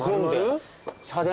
社殿？